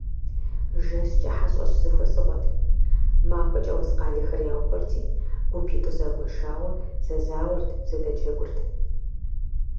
ЖэщкӀэ хьэщӀэщ зэхуэсыгъуэт, махуэкӀэ уэс къалэхэр яухуэрти, гупитӀу загуэшауэ зэзауэрт, зэдэджэгурт.